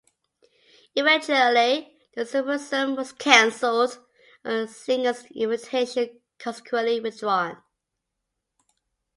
Eventually, the symposium was cancelled and Singer's invitation consequently withdrawn.